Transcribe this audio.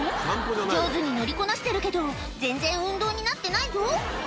上手に乗りこなしてるけど、全然運動になってないぞ。